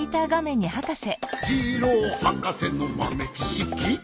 「ジローはかせのまめちしき」